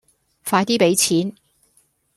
快啲俾錢